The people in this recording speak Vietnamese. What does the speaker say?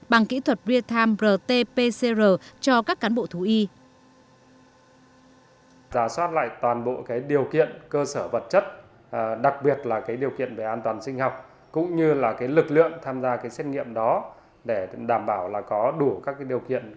bằng kỹ thuật realtime